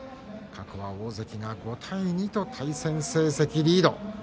過去は大関が５対２と対戦成績リード。